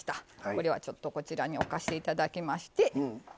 これはちょっとこちらに置かしていただきまして。